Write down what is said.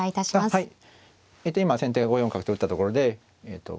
はい。